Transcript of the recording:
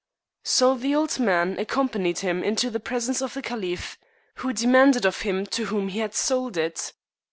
So the old man accompanied him into the presence of the caliph, who demanded of him to whom he had sold it.